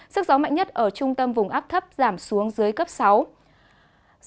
sức gió mạnh nhất vùng gần tâm áp thấp nhiệt đới ở khoảng một mươi chín một độ kinh đông